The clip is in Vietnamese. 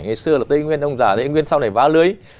ngày xưa là tây nguyên ông già tây nguyên sau này vá lưới